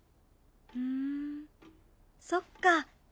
ふんそっか。